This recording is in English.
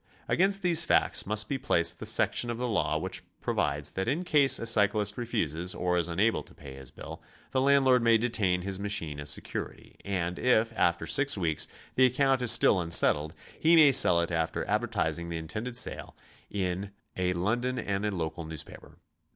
Against these facts must be placed the section of the law which provides that in case a cyclist refuses, or is unable to pay his bill, the landlord may detain his machine as .security; and if, after six weeks, the account is still un settled, he may sell it after advertising the intended sale in a London and a local newspaper.